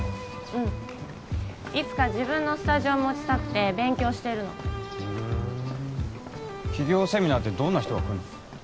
うんいつか自分のスタジオ持ちたくて勉強してるのふん起業セミナーってどんな人が来るの？